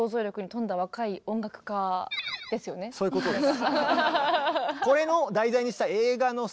そういうことです。